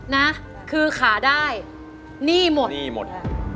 นะคือขาได้หนี้หมด